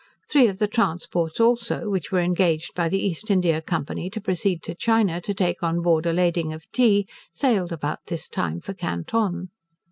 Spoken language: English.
Three of the transports also, which were engaged by the East India Company to proceed to China, to take on board a lading of tea, sailed about this time for Canton.